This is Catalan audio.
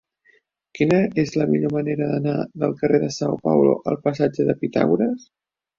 Quina és la millor manera d'anar del carrer de São Paulo al passatge de Pitàgores?